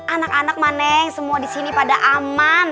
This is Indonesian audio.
anak anak mah neng semua disini pada aman